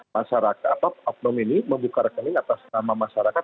masyarakat atau apnom ini membuka rekening atas nama masyarakat